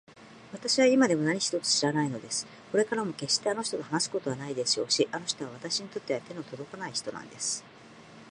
わたしは今でも何一つ知らないのです。これからもけっしてあの人と話すことはないでしょうし、あの人はわたしにとっては手のとどかない人なんです。